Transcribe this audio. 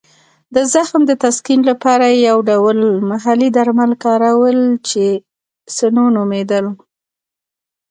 د زخم د تسکین لپاره یې یو ډول محلي درمل کارول چې سنو نومېدل.